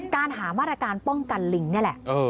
หามาตรการป้องกันลิงนี่แหละ